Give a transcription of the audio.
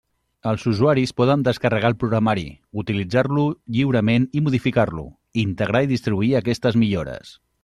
Els usuaris poden descarregar el programari, utilitzar-lo lliurement i modificar-lo, integrar i distribuir aquestes millores.